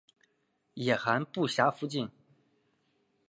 野寒布岬附近。